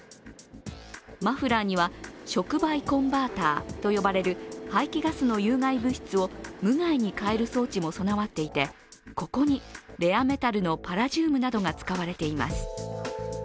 マフラーには、触媒コンバーターと呼ばれる排気ガスの有害物質を無害に変える装置も備わっていてここにレアメタルのパラジウムなどが使われています。